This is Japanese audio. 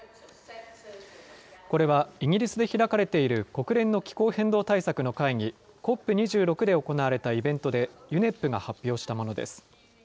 これはイギリスで開かれている国連の気候変動対策の会議、ＣＯＰ２６で行われたイベントでＵＮＥＰが発表したものです。